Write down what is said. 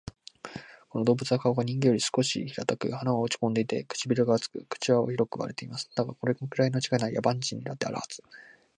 この動物は顔が人間より少し平たく、鼻は落ち込んでいて、唇が厚く、口は広く割れています。だが、これくらいの違いなら、野蛮人にだってあるはず